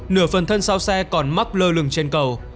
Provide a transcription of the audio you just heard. nửa phần thân sau xe còn mắc lơ lửng trên cầu